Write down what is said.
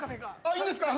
いいんですか？